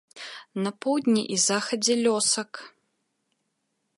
На поўдні і захадзе лёсак.